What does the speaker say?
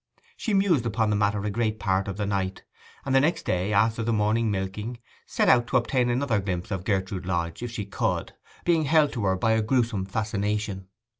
She mused upon the matter the greater part of the night; and the next day, after the morning milking, set out to obtain another glimpse of Gertrude Lodge if she could, being held to her by a gruesome fascination.